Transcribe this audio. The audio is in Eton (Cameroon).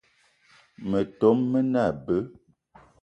Metom me ne abe.